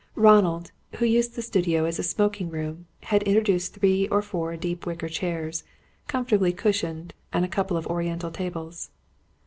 Ronald, who used the studio as a smoking room, had introduced three or four deep wicker chairs, comfortably cushioned, and a couple of oriental tables.